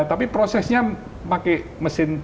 tapi prosesnya pakai mesin